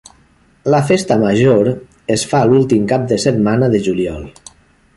La festa major es fa l’últim cap de setmana de juliol.